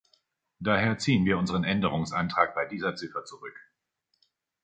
Daher ziehen wir unseren Änderungsantrag bei dieser Ziffer zurück.